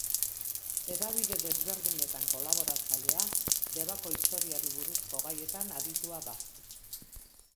Hedabide desberdinetan kolaboratzailea, Debako historiari buruzko gaietan aditua da.